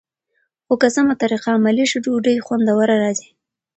خو که سمه طریقه عملي شي، ډوډۍ خوندوره راځي.